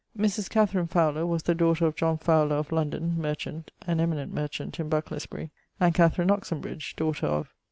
Mris Katharine Fowler was the daughter of John Fowler of London, merchant (an eminent merchant in Bucklersbury), and Katherine Oxenbridge, daughter of